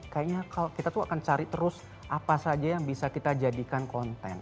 kayaknya kita tuh akan cari terus apa saja yang bisa kita jadikan konten